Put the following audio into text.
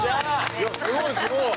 いやすごいすごい。